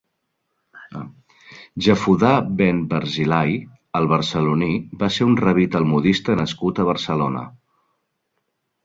Jafudà ben Barzilai, el Barceloní va ser un rabí i talmudista nascut a Barcelona.